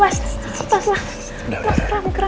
mas keram keram keram